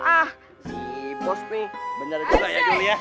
ah si bos nih bener juga ya dul ya